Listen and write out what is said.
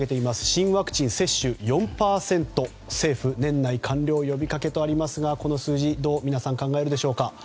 新ワクチン接種４％政府、年内完了呼びかけとありますがこの数字、皆さんどう考えるでしょうか。